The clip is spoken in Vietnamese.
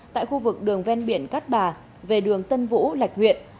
tại khu vực đường ven biển cát bà về đường tân vũ lạch huyện